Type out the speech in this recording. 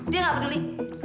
dia gak peduli